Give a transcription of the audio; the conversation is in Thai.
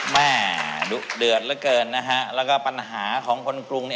ดุเดือดเหลือเกินนะฮะแล้วก็ปัญหาของคนกรุง